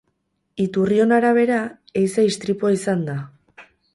Iturrion arabera, ehiza istripua izan da.